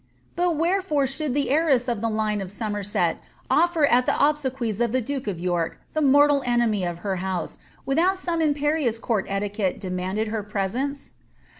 But where fore should the heiress of the line of Somerset ofier at the obsequies of the duke of York, the mortal enemy of her house, without some im perious court etiquette demanded her presence